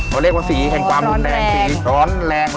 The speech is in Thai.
เขาเรียกว่าสีแห่งความรุนแรงสีร้อนแรง